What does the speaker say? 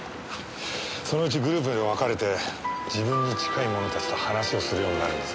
そのうちグループで分かれて自分に近い者たちと話をするようになるんです。